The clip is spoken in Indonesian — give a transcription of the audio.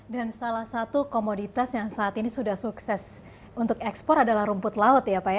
dan salah satu komoditas yang saat ini sudah sukses untuk ekspor adalah rumput laut ya pak ya